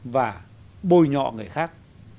và bồi nhọ người khác